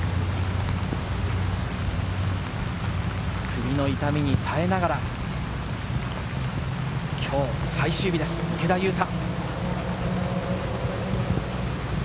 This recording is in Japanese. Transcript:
首の痛みに耐えながら、今日最終日です、池田勇太。